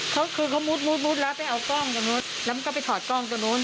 เขาคือเขามุดมุดมุดแล้วไปเอากล้องตรงนู้นแล้วมันก็ไปถอดกล้องตรงนู้น